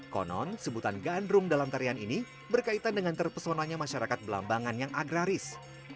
konon sebutan gandrung dalam tarian ini berkaitan dengan terpesonanya masyarakat belambangan yang agraris